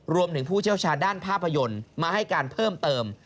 ผู้เชี่ยวชาญด้านภาพยนตร์มาให้การเพิ่มเติม